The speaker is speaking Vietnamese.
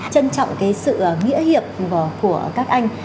trân trọng sự nghĩa hiệp của các anh